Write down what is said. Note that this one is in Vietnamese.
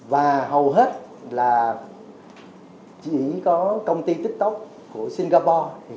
và hầu hết là chỉ có công ty tiktok của singapore